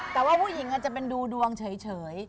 แต่ว่าผู้หญิงอาจจะเป็นดูดวงเฉย